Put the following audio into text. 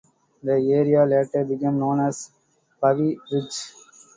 The area later became known as Pavie Ridge.